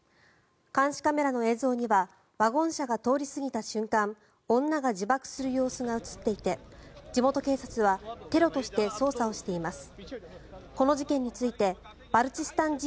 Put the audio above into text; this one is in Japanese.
監視カメラの映像にはワゴン車が通り過ぎた瞬間女が自爆する様子が映っていて地元警察はテロとして捜査をしています。